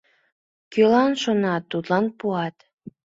Кӧлан шонат, тудлан пуат.